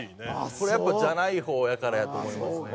これやっぱじゃない方やからと思いますね。